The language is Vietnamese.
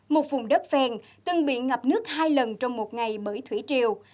một vùng đất phèn từng bị ngập nước hai lần trong một ngày bởi thủy triều